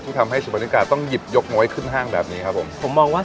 ที่ทำให้ศิพครินิการ์ต้องหยิบยกโง้นให้คุณฮ่างแบบนี้ครับ